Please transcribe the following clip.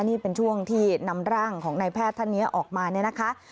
นี่เป็นช่วงที่นำร่างของนายแพทย์ท่านนี้ออกมาเนี่ยนะคะ